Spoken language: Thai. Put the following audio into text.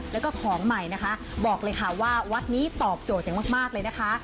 แล้วก็ของใหม่นะคะบอกเลยค่ะว่าวัดนี้ตอบโจทย์อย่างมากเลยนะคะ